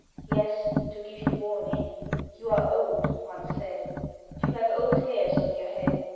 — Yes, to give you warning; You are old," one said; ''You have old hairs on your head.